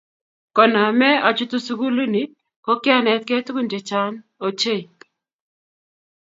Koname achutu sukuli ni ko kianetkei tugun che chan ochei.